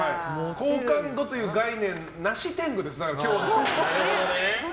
好感度という概念なし天狗です。